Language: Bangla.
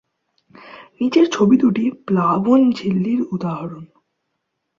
নিচের ছবি দুটি প্লাবন ঝিল্লির উদাহরণ।